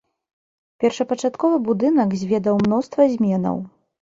Першапачатковы будынак зведаў мноства зменаў.